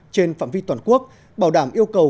trên phạm vi toàn quốc bảo đảm yêu cầu